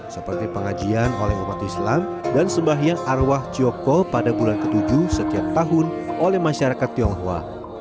seperti pengajian oleh umat islam dan sembahyang arwah ciyoko pada bulan ke tujuh setiap tahun oleh masyarakat tionghoa